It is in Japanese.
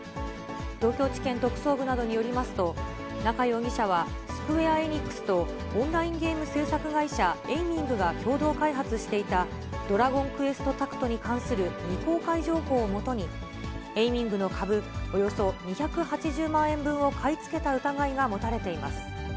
東京地検特捜部などによりますと、中容疑者はスクウェア・エニックスと、オンラインゲーム制作会社、エイミングが共同開発していたドラゴンクエストタクトに関する未公開情報をもとに、エイミングの株およそ２８０万円分を買い付けた疑いが持たれています。